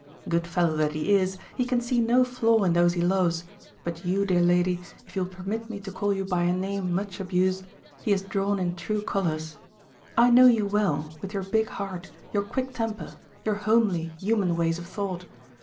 Good fellow that he is, he can see no flaw in those he loves, but you, dear lady, if you will permit me to call you by a name much abused, he has drawn in true colours. I know you well, with your big heart, your quick temper, your homely, human ways of thought.